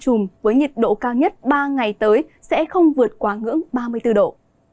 chùm với nhiệt độ cao nhất ba ngày tới sẽ không vượt quá ngưỡng ba mươi bốn độ